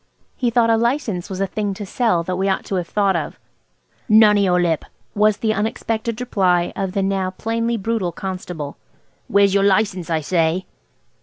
He thought a license was a thing to sell that we ought to have thought of. "None of your lip," was the unexpected reply of the now plainly brutal constable. "Where's your license, I say?"